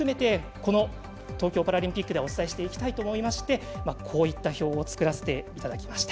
この東京パラリンピックではお伝えしていきたいと思いましてこういった表を作らせていただきました。